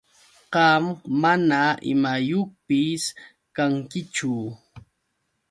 Qam mana imayuqpis kankichu.